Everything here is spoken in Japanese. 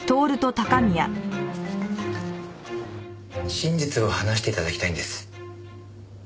真実を話して頂きたいんです。